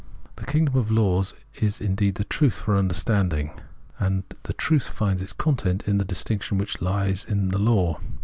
This kingdom of laws is indeed the truth for under standing ; and that truth finds its content in the distinction which lies in the law.